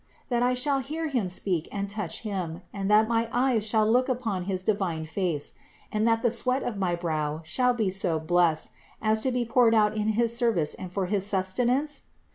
That I shall hear him speak, and touch Him, and that my eyes shall look upon his divine face, and that the sweat of my brow shall be so blessed as to be poured out in his service and for his sustenance